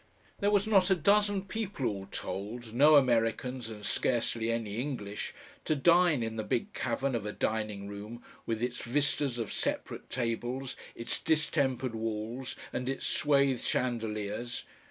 There was not a dozen people all told, no Americans and scarcely any English, to dine in the big cavern of a dining room, with its vistas of separate tables, its distempered walls and its swathed chandeliers.